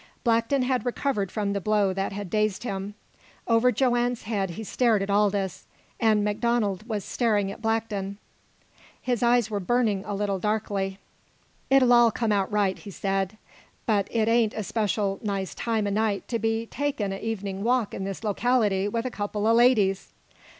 Blackton had recovered from the blow that had dazed him. Over Joanne's head he stared at Aldous. And MacDonald was staring at Blackton. His eyes were burning a little darkly. "It's all come out right," he said, "but it ain't a special nice time o' night to be taking a' evening walk in this locality with a couple o' ladies!"